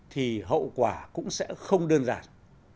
thì hậu quả cũng sẽ không đơn giản